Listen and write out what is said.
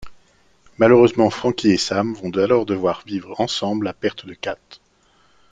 Malheureusement Frankie et Sam vont alors devoir vivre ensemble la perte de Cat.